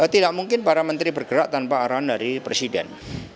tidak mungkin para menteri bergerak tanpa arahan dari presiden